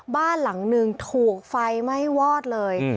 บ้านหลังนึงถูกไฟไหม้วอดเลย